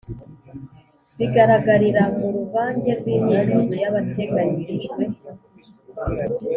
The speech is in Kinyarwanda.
bigaragarira mu ruvange rw’imyitozo yabateganyirijwe.